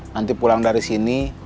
nanti pulang dari sini